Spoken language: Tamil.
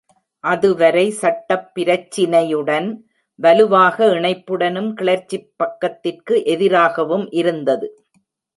அது வரைசட்டப் பிரச்சினையுடன் வலுவலாக இணைப்புடனும் கிளர்ச்சிப் பக்கத்திற்கு எதிராகவும் இருந்தது.